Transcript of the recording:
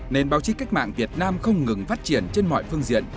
nền báo chí cách mạng việt nam không ngừng phát triển trên mọi phương diện